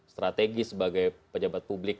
strategis sebagai pejabat publik